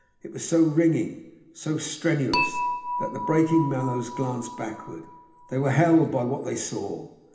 It was so ringing, so strenuous, that the breaking Mallows glanced backwards. They were held by what they saw.